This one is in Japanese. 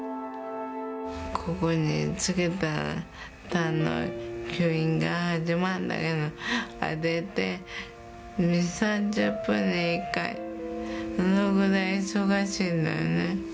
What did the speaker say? ここにつけたら、たんの吸引が始まるんだけど、あれって２、３０分に１回、それくらい忙しいんだよね。